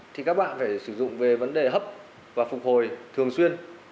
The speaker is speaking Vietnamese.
thì các bạn phải sử dụng về vấn đề hấp và phục hồi thường xuyên